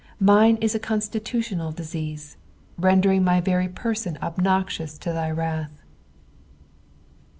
Mine is a constitutional disease, rnndering my very persnn obnoxioua to thy wralh.